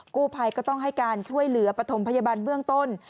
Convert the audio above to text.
กู้ภัยก็ต้องให้การช่วยเหลือปฐมพยาบาลเบื้องต้น